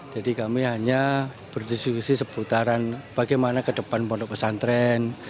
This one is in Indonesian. jadi kami hanya berdiskusi seputaran bagaimana ke depan pondok pesantren